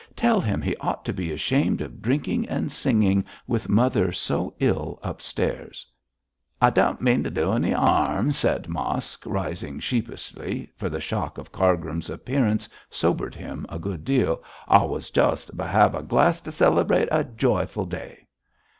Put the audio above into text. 'Tell him he ought to be ashamed of drinking and singing with mother so ill upstairs.' 'I don't mean t'do any 'arm,' said Mosk, rising sheepishly, for the shock of Cargrim's appearance sobered him a good deal. 'I wos jus' havin' a glass to celebrate a joyful day.'